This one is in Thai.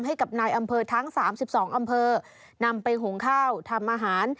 ให้กับนายอำเภอทั้ง๓๒อำเภอนำไปหุงข้าวทำอาหาร